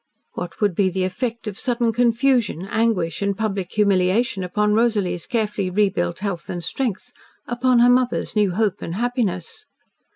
What would be the effect of sudden confusion, anguish, and public humiliation upon Rosalie's carefully rebuilt health and strength upon her mother's new hope and happiness?